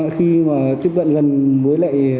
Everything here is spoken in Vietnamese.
khi mà tiếp cận gần với lại